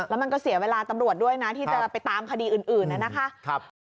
แล้วมันก็เสียเวลาตำรวจด้วยนะที่จะไปตามคดีอื่นนะคะ